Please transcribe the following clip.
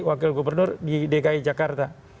wakil gubernur di dki jakarta